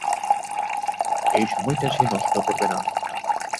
এই সময়টা সে নষ্ট করবে না।